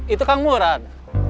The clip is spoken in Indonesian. itu kang murad